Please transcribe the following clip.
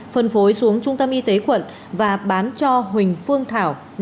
phân phối xuống trung tâm y tế quận và bán cho huỳnh phương thảo